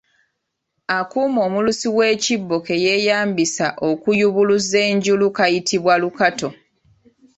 Akuuma omulusi w’ekibbo ke yeeyambisa okuyubuluza enjulu kayitibwa lukato.